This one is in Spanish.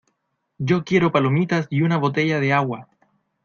¡Yo quiero palomitas y una botella de agua!